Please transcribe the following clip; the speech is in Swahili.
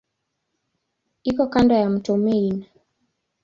Iko kando ya mto Main.